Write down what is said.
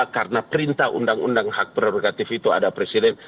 karena perintah undang undang hak prerogatif itu ada presiden